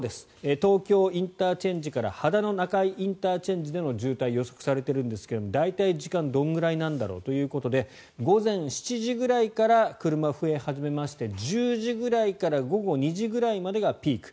東京ＩＣから秦野中井ＩＣでの渋滞予測がされているんですが大体時間がどれくらいなんだろうということで午前７時ぐらいから車が増え始めまして１０時ぐらいから午後２時ぐらいまでがピーク。